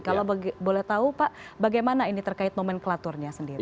kalau boleh tahu pak bagaimana ini terkait nomenklaturnya sendiri